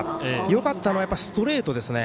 よかったのはストレートですね。